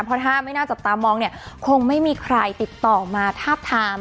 เพราะถ้าไม่น่าจับตามองเนี่ยคงไม่มีใครติดต่อมาทาบทาม